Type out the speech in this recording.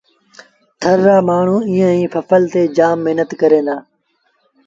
ٿر رآ مآڻهوٚݩ ايئي ڦسل تي جآم مهنت ڪريݩ دآ۔